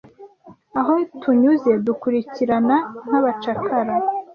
Aho tunyuze dukurikirana nk'abacakara;